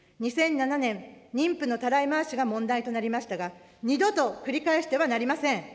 ２００７年、妊婦のたらい回しが問題となりましたが、二度と繰り返してはなりません。